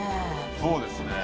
そうですね。